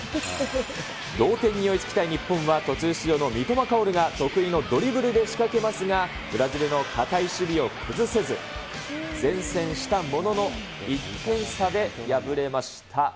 同点に追いつきたい日本は、途中出場の三笘薫が得意のドリブルで仕掛けますが、ブラジルの堅い守備を崩せず、善戦したものの、１点差で敗れました。